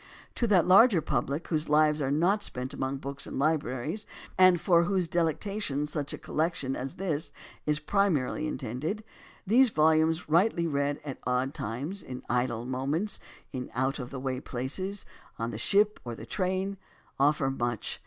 To that larger public whose lives are not spent among books and libraries, and for whose delecta tion such a collection as this is primarily intended, these volumes rightly read at odd times, in idle mo ments, in out of the way places, on the ship or the train, offer much.